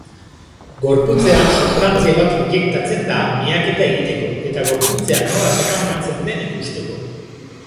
Gorputzean substantzia bat injektatzen da miaketa egiteko eta gorputzean nola sakabanatzen den ikusteko.